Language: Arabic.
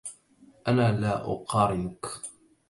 انا لا اقارنكِ